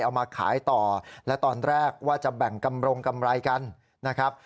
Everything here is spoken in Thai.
เอามาขายต่อและตอนแรกว่าจะแบ่งกำรงกำไรกันนะครับ